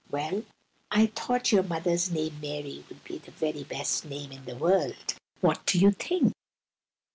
"Well, I thought your mother's name, Mary, would be the very best name in the world. What do you think?"